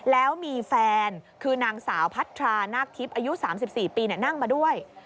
แล้วมีแฟนคือนางสาวพัทรานาคทิพย์อายุ๓๔ปีนั่งมาด้วย